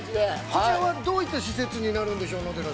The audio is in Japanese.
◆こちらはどういった施設になるんでしょう？